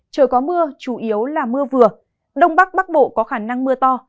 trời có mưa chủ yếu là mưa vừa đông bắc bắc bộ có khả năng mưa to